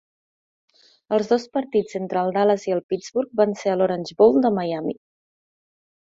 Els dos partits entre el Dallas i el Pittsburgh van ser a l'Orange Bowl de Miami.